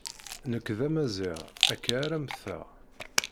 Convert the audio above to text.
Nek d Amaziɣ, akka ara mmteɣ.